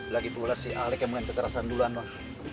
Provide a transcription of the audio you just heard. lagipula si alek yang main kekerasan duluan non